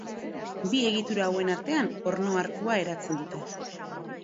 Bi egitura hauen artean orno arkua eratzen dute.